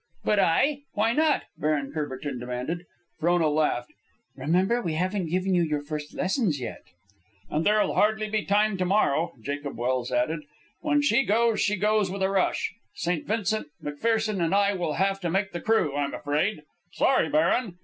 "But I? Why not?" Baron Courbertin demanded. Frona laughed. "Remember, we haven't given you your first lessons yet." "And there'll hardly be time to morrow," Jacob Welse added. "When she goes, she goes with a rush. St. Vincent, McPherson, and I will have to make the crew, I'm afraid. Sorry, baron.